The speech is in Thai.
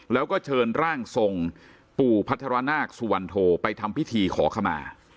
แล้วก็เชิญร่างทรงปู่พัฒนานาคสุวรรณโทไปทำพิธีขอขมา